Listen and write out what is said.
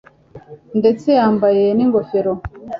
ndetse yambaye ningofero